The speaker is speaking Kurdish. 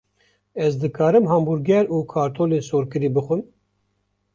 Ez dikarim hambûrger û kartolên sorkirî bixwim?